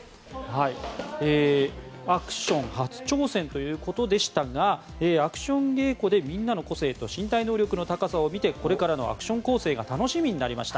アクション初挑戦ということでしたがアクション稽古でみんなの個性と身体能力の高さを見てこれからのアクション構成が楽しみになりました。